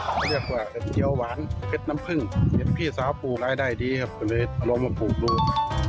เรียกว่าเกลียวหวานเผ็ดน้ำพึ่งเย็นพี่สาวปลูกรายได้ดีครับก็เลยเอาลงมาปลูกลูก